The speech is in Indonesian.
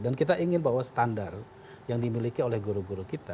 dan kita ingin bahwa standar yang dimiliki oleh guru guru kita